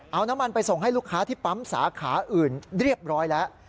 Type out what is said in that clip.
เอาน้ำมันไปส่งให้ลูกค้าที่ปั๊มสาขาอื่นเรียบร้อยแล้ว